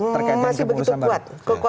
terkait dengan keputusan barat